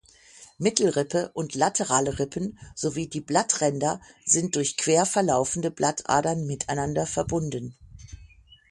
Mittelrippe und laterale Rippen sowie die Blattränder sind durch quer verlaufende Blattadern miteinander verbunden.